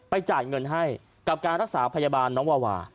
จ่ายเงินให้กับการรักษาพยาบาลน้องวาวา